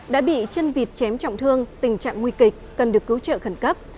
đã bị chân vịt chém trọng thương tình trạng nguy kịch cần được cứu trợ khẩn cấp